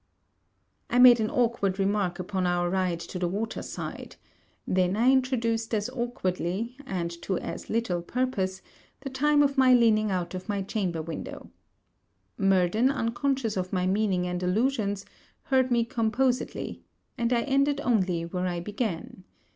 I made an awkward remark upon our ride to the water side; then I introduced as awkwardly, and to as little purpose, the time of my leaning out of my chamber window. Murden, unconscious of my meaning and allusions, heard me composedly; and I ended only where I began.